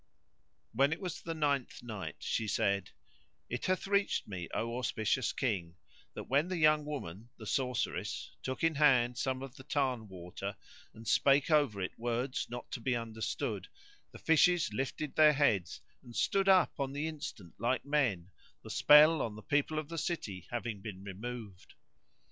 When it Was the Ninth Night, She said, It hath reached me, O auspicious King, that when the young woman, the sorceress, took in hand some of the tarn water and spake over it words not to be understood, the fishes lifted their heads and stood up on the instant like men, the spell on the people of the city having been removed.